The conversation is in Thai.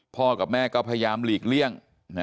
พ่อกับแม่ก็พยายามหลีกเลี่ยง